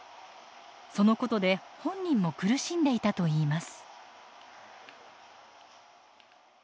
そのことで本人も苦しんでいたといいます。